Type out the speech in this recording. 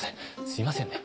すいませんね。